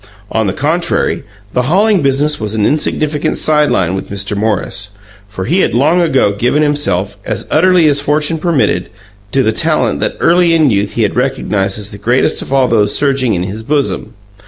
On the contrary, the hauling business was an insignificant side line with Mr. Morris, for he had long ago given himself, as utterly as fortune permitted, to the talent that early in youth he had recognized as the greatest of all those surging in his bosom.